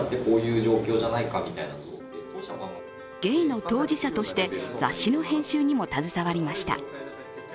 ゲイの当事者として雑誌の編集にも携わりました。